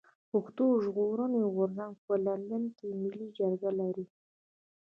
پښتون ژغورني غورځنګ په لندن کي ملي جرګه لري.